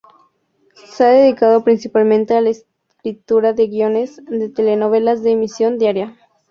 Se ha dedicado principalmente a la escritura de guiones de telenovelas de emisión diaria.